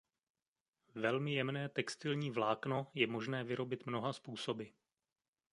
Velmi jemné textilní vlákno je možné vyrobit mnoha způsoby.